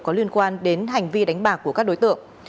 có liên quan đến hành vi đánh bạc của các đối tượng